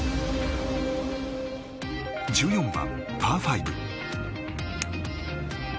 １４番、パー５。